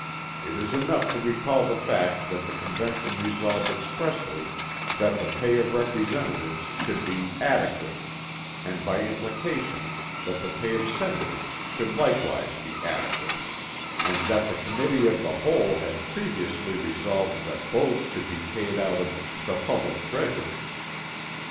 It is enough to recall the fact that the Convention resolved expressly that the pay of Representatives should be "adequate," and by implication that the pay of Senators should likewise be adequate; and that the Committee of the Whole had previously resolved that both should be paid out of "the public treasury."